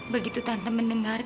begitu tante mendengarkan